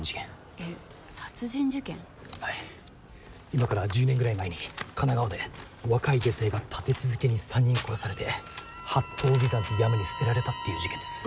今から１０年ぐらい前に神奈川で若い女性が立て続けに３人殺されて八頭尾山って山に捨てられたっていう事件です。